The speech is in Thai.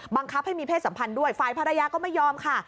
บังคับให้มีเพศสัมพันธ์ด้วยฝ่ายภรรยาก็ไม่ยอมค่ะ